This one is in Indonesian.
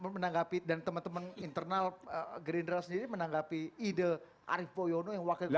menanggapi dan teman teman internal gerindra sendiri menanggapi ide arief poyono yang wakil ketua